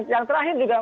yang terakhir juga